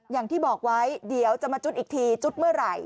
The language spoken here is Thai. อย่างที่บอกไว้เดี๋ยวจะมาจุดอีกทีจุดเมื่อไหร่